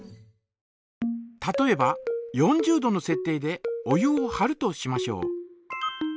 例えば４０度のせっ定でお湯をはるとしましょう。